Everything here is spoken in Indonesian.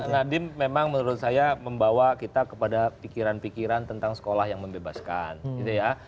nadiem memang menurut saya membawa kita kepada pikiran pikiran tentang sekolah yang membebaskan gitu ya